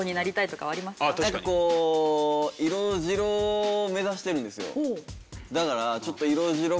色白を目指してるんですよ。